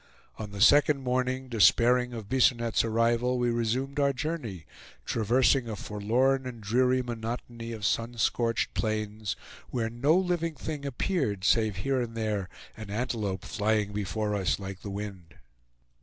On the second morning, despairing of Bisonette's arrival we resumed our journey, traversing a forlorn and dreary monotony of sun scorched plains, where no living thing appeared save here and there an antelope flying before us like the wind.